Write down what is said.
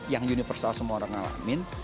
yang universal semua orang ngalamin